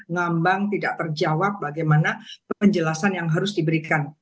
ngambang tidak terjawab bagaimana penjelasan yang harus diberikan